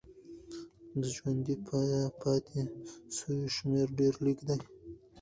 د ژوندي پاتې سویو شمېر ډېر لږ دی.